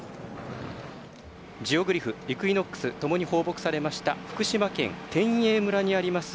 ジオグリフ、イクイノックスともに放牧されました福島県天栄村にあります